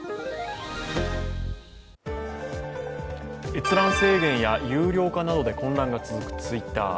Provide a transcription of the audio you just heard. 閲覧制限や有料化などで混乱が続くＴｗｉｔｔｅｒ